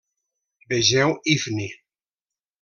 Vegeu Ifni.